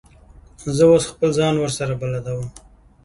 زه اوس خپله ځان ورسره بلدوم.